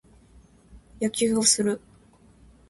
野球をする。